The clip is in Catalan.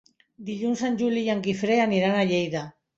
Dilluns en Juli i en Guifré aniran a Lleida.